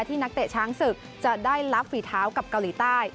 นักเตะช้างศึกจะได้รับฝีเท้ากับเกาหลีใต้